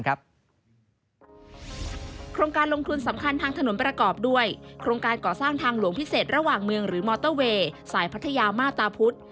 โครงการลงทุนสำคัญทางถนนประกอบด้วยโครงการก่อสร้างทางหลวงพิเศษระหว่างเมืองหรือมอเตอร์เวย์สายพัทยามาตาพุธ